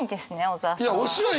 小沢さんは。